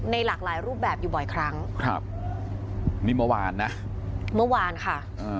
หลากหลายรูปแบบอยู่บ่อยครั้งครับนี่เมื่อวานนะเมื่อวานค่ะ